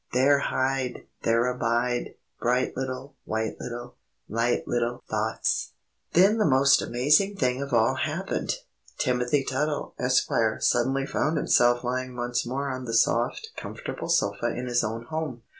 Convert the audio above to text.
There hide! There abide! Bright little, White little, Light little Thoughts!_" Then the most amazing thing of all happened. Timothy Tuttle, Esquire, suddenly found himself lying once more on the soft, comfortable sofa in his own home.